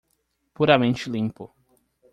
Puramente limpo